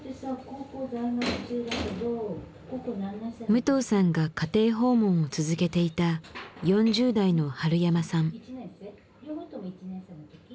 武藤さんが家庭訪問を続けていた４０代の春山さん。